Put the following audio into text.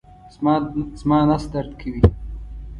زما نس درد کوي